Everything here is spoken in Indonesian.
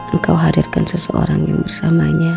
engkau hadirkan seseorang yang bersamanya